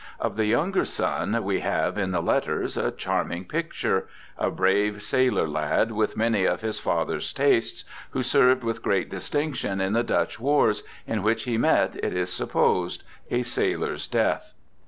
Of the younger son we have, in the letters, a charming picture — a brave sailor lad with many of his father's tastes, who served with great distinction in the Dutch wars, in which he met (it is supposed) a sailor's death.